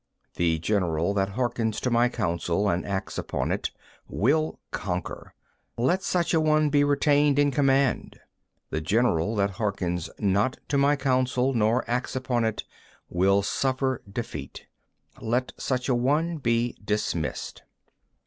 The general that hearkens to my counsel and acts upon it, will conquer: let such a one be retained in command! The general that hearkens not to my counsel nor acts upon it, will suffer defeat:—let such a one be dismissed!